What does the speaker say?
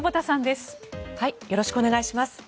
よろしくお願いします。